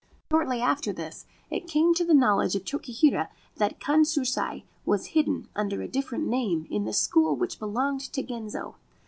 Shortly after this, it came to the knowledge of Tokihira that Kanshusai was hidden, under a different name, in the school which belonged to Genzo.